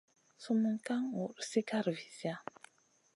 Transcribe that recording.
Sumun ka ŋur sigara visia.